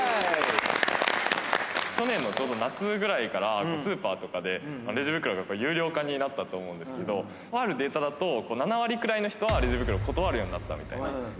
去年のちょうど夏ぐらいから、スーパーとかで、レジ袋が有料化になったと思うんですけど、とあるデータだと、７割くらいの人はレジ袋断るようになったみたいなんですね。